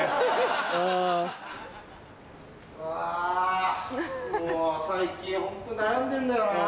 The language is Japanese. うわもう最近ホント悩んでんだよなぁ。